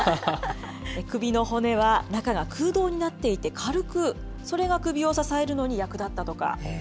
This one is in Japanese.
首の骨は中が空洞になっていて、軽く、それが首を支えるのに役立ったとか。